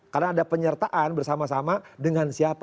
karena ada penyertaan bersama sama dengan siapa